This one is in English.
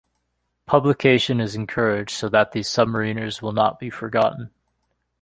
Publication is encouraged so that these submariners will not be forgotten.